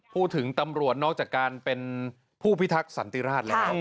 พูดถึงตำรวจนอกจากการเป็นผู้พิทักษ์สันติราชแล้ว